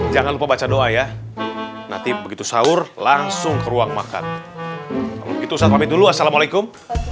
jangan lupa baca doa ya nanti begitu sahur langsung ke ruang makan itu ustadz abid dulu assalamualaikum